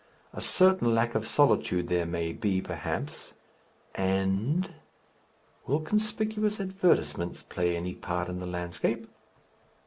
A certain lack of solitude there may be perhaps, and Will conspicuous advertisements play any part in the landscape?...